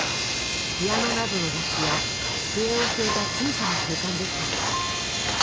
ピアノなどの楽器や机を据えた小さな空間でした。